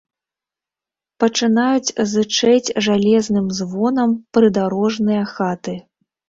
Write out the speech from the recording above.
Пачынаюць зычэць жалезным звонам прыдарожныя хаты.